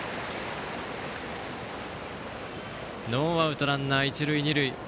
ノーアウトランナー、一塁二塁。